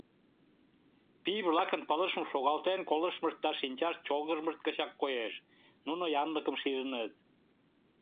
Пий-влакын пылышым шогалтен колыштмышт да шинчашт чолгыжмышт гычак коеш: нуно янлыкым шижыныт.